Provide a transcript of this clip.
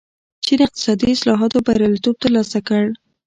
چین اقتصادي اصلاحاتو بریالیتوب ترلاسه کړ.